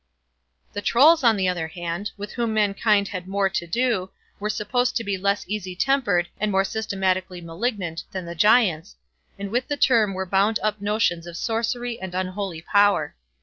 The Trolls, on the other hand, with whom mankind had more to do, were supposed to be less easy tempered, and more systematically malignant, than the Giants, and with the term were bound up notions of sorcery and unholy power.